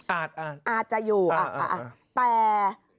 อาจอาจจะอยู่อ่ะแต่